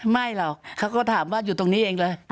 ไม่หรอกเขาก็ถามว่าอยู่ตรงนี้เองเลย